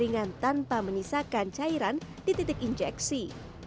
ringan tanpa menyisakan cairan di titik injeksi